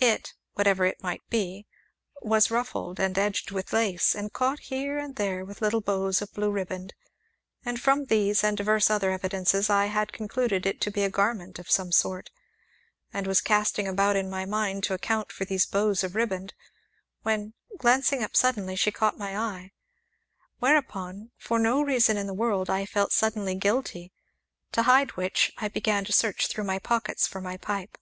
It (whatever it might be) was ruffled, and edged with lace, and caught here and there with little bows of blue riband, and, from these, and divers other evidences, I had concluded it to be a garment of some sort, and was casting about in my mind to account for these bows of riband, when, glancing up suddenly, she caught my eye; whereupon, for no reason in the world, I felt suddenly guilty, to hide which I began to search through my pockets for my pipe.